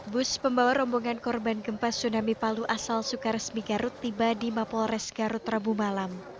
bus pembawa rombongan korban gempa tsunami palu asal sukaresmi garut tiba di mapolres garut rabu malam